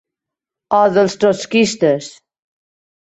O dels trotskistes